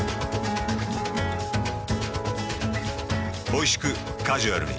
おいしくカジュアルに。